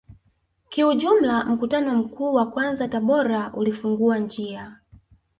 Kiujumla mkutano mkuu wa kwanza Tabora ulifungua njia